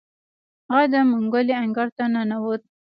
هغه د منګلي انګړ ته ننوت.